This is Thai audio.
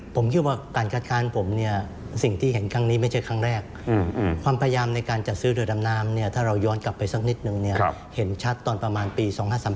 ผมคิดว่าการคัดค้านผมเนี่ยสิ่งที่เห็นครั้งนี้ไม่ใช่ครั้งแรกความพยายามในการจัดซื้อเรือดำน้ำเนี่ยถ้าเราย้อนกลับไปสักนิดนึงเนี่ยเห็นชัดตอนประมาณปี๒๕๓๓